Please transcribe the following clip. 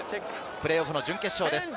プレーオフの準決勝です。